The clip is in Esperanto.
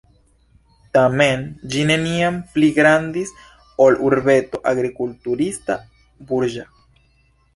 Tamen ĝi neniam pli grandis ol urbeto agrikulturista-burĝa.